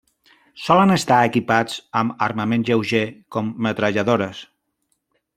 Solen estar equipats amb armament lleuger com metralladores.